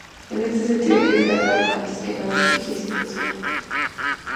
En este sentido, hay que destacar antes de nada que aquí es imposible morir.